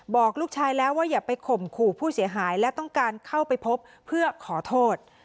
บอกลูกชายแล้วว่าอย่าไปข่มขู่ผู้เสียหายและต้องการเข้าไปพบเพื่อขอโทษ